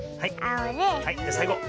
はいさいご。